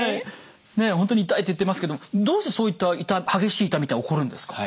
ねえ本当に痛いって言ってますけどどうしてそういった激しい痛みって起こるんですか。